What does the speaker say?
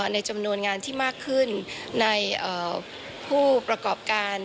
ในจำนวนงานที่มากขึ้นในผู้ประกอบการ